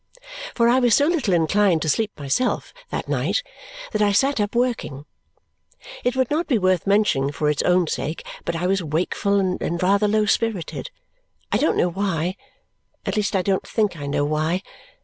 For I was so little inclined to sleep myself that night that I sat up working. It would not be worth mentioning for its own sake, but I was wakeful and rather low spirited. I don't know why. At least I don't think I know why.